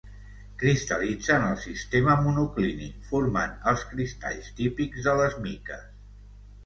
Cristal·litza en el sistema monoclínic formant els cristalls típics de les miques.